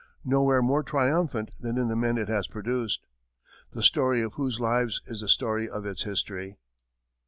Nowhere more triumphant than in the men it has produced, the story of whose lives is the story of its history.